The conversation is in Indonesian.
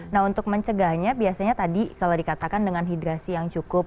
nah untuk mencegahnya biasanya tadi kalau dikatakan dengan hidrasi yang cukup